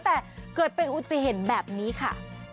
แต่เกิดเป็นอุติเหตุแบบนี้ค่ะ